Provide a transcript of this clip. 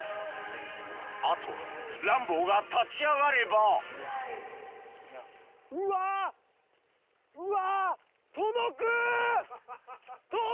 あとはランボーが立ち上がればうわ‼うわ‼